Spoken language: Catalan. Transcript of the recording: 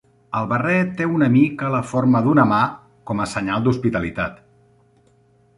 El barret té una mica la forma d'una mà com a senyal d'hospitalitat.